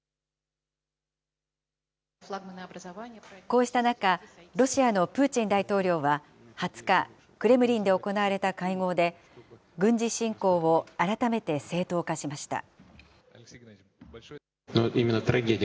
こうした中、ロシアのプーチン大統領は２０日、クレムリンで行われた会合で、軍事侵攻を改めて正当化しました。